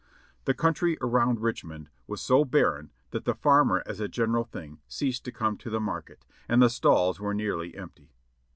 The country around Richmond was so barren that the farmer as a general thing ceased to come to the market, and the stalls were nearly empty.